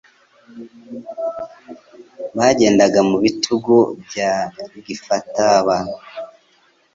Bagendaga mu bitugu bya Gifataba,